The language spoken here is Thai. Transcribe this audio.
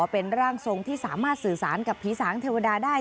เป็นร่างทรงที่สามารถสื่อสารกับผีสางเทวดาได้